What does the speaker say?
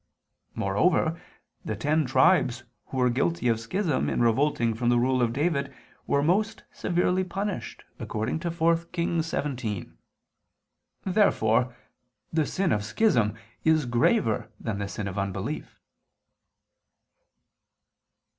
Moreover the ten tribes who were guilty of schism in revolting from the rule of David were most severely punished (4 Kings 17). Therefore the sin of schism is graver than the sin of unbelief.